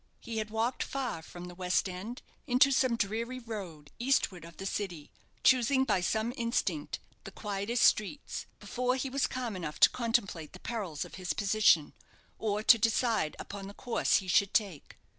He had walked far from the West end, into some dreary road eastward of the City, choosing by some instinct the quietest streets, before he was calm enough to contemplate the perils of his position, or to decide upon the course he should take.